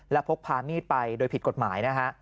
และพกพามีดไปโดยผิดกฎหมายนะฮะ